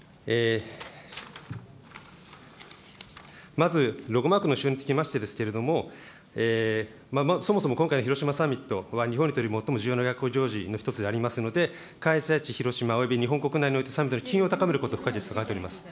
まず、ロゴマークの使用につきましてですけれども、そもそも今回の広島サミットは、日本にとり最も重要なの一つでありますので、開催地、広島および日本国内において、サミットの機運を高めることが不可欠となっております。